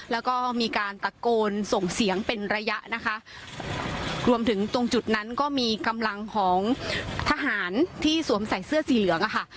แล้วก็มีการตะโกนส่งเสียงเป็นระยะนะคะรวมถึงตรงจุดนั้นก็มีกำลังของทหารที่สวมใส่เสื้อสีเหลืองอะค่ะ